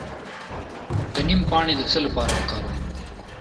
د نیم پاڼې د څه لپاره وکاروم؟